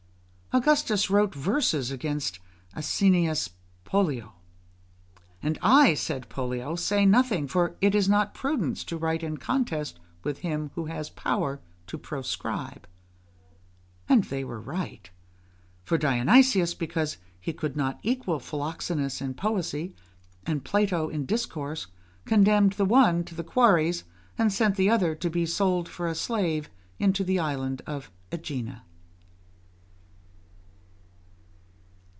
Augustus wrote verses against Asinius Pollio, and "I," said Pollio, "say nothing, for it is not prudence to write in contest with him who has power to proscribe." And they were right. For Dionysius, because he could not equal Philoxenus in poesy and Plato in discourse, condemned the one to the quarries, and sent the other to be sold for a slave into the island of AEgina.